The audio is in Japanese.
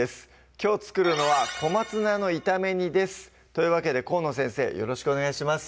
きょう作るのは「小松菜の炒め煮」ですというわけで河野先生よろしくお願いします